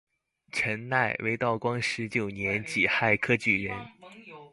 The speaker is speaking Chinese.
陈鼐为道光十九年己亥科举人。